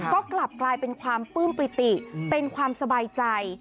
ก็กลับกลายเป็นความปลื้มปิติเป็นความสบายใจ